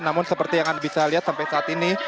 namun seperti yang anda bisa lihat sampai saat ini